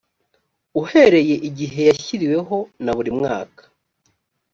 uhereye igihe yashyiriweho na buri mwaka